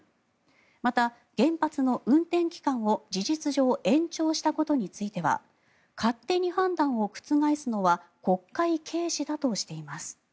また、原発の運転期間を事実上延長したことについては勝手に判断を覆すのは国会軽視だとしています。